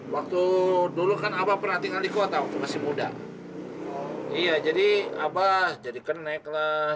waktu dulu kan abah perhatiin aliku atau masih muda iya jadi abah jadi kenek lah jadi tukang jualan es